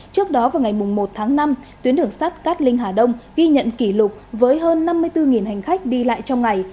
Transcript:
trước đó vào ngày một tháng năm tuyến đường sắt cát linh hà đông ghi nhận kỷ lục với hơn năm mươi bốn hành khách đi lại trong ngày